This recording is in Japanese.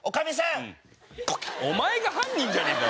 お前が犯人じゃねえかよ